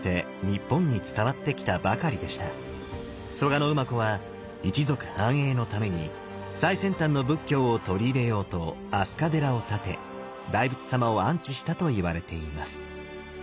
蘇我馬子は一族繁栄のために最先端の仏教を取り入れようと飛鳥寺を建て大仏様を安置したといわれています。